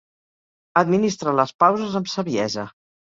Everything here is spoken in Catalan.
Administra les pauses amb saviesa.